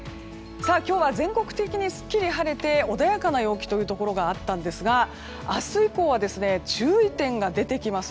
今日は全国的にすっきり晴れて穏やかな陽気のところがあったんですが明日以降は注意点が出てきます。